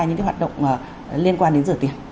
những cái hoạt động liên quan đến rửa tiền